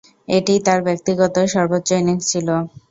এটিই তার ব্যক্তিগত সর্বোচ্চ ইনিংস ছিল।